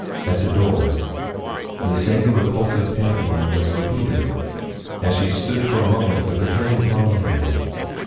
At the door the same repulsive pantomime was repeated, as she stood for a moment with her hand upon the handle.